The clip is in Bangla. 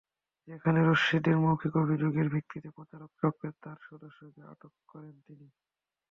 সেখানে ঋষিদের মৌখিক অভিযোগের ভিত্তিতে প্রতারক চক্রের চার সদস্যকে আটক করেন তিনি।